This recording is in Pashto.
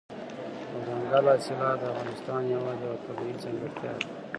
دځنګل حاصلات د افغانستان هېواد یوه طبیعي ځانګړتیا ده.